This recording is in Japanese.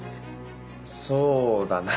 そうだな。